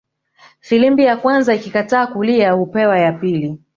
Filimbi ya kwanza ikikataa kulia hupewa ya pili